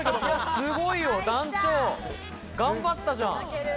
すごいよ、団長、頑張ったじゃん！